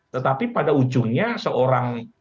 tetapi pada ujungnya seorang